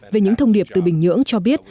về những thông điệp từ bình nhưỡng cho biết